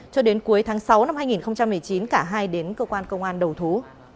cho đến cuối tháng sáu năm hai nghìn một mươi chín cả hai đến cơ quan công an đầu thú